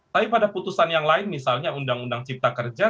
tapi pada putusan yang lain misalnya undang undang cipta kerja